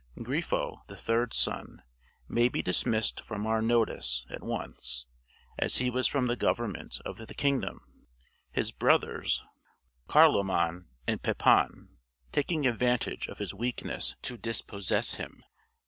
Griffo, the third son, may be dismissed from our notice at once, as he was from the government of the kingdom, his brothers, Carloman and Pepin, taking advantage of his weakness to dispossess him.